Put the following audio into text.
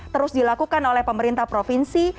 terus dilakukan oleh pemerintah provinsi